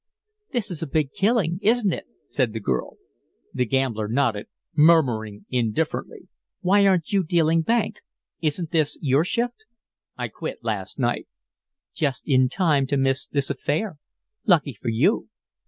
"This is a big killing, isn't it?" said the girl. The gambler nodded, murmuring indifferently. "Why aren't you dealing bank? Isn't this your shift?" "I quit last night." "Just in time to miss this affair. Lucky for you."